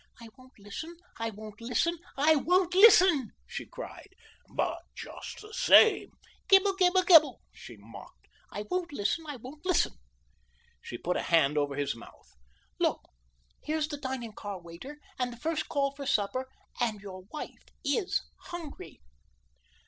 "I won't listen, I won't listen, I won't listen," she cried. "But, just the same " "Gibble gibble gibble," she mocked. "I won't Listen, I won't listen." She put a hand over his mouth. "Look, here's the dining car waiter, and the first call for supper, and your wife is hungry."